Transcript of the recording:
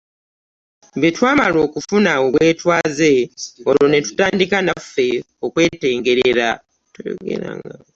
Bwe twamala okufuna obwetwaze olwo ne tutandika naffe okwetengerera.